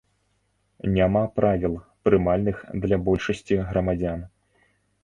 Няма правіл, прымальных для большасці грамадзян.